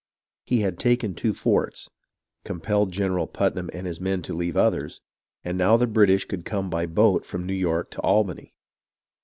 He had taken two forts, compelled General Putnam and his men to leave others, and now the British could come by boat from New York to Albany.